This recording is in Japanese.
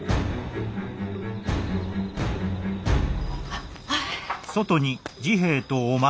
あっ。